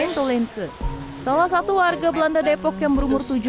jane tollense salah satu warga belanda depok yang berumur tujuh puluh empat tahun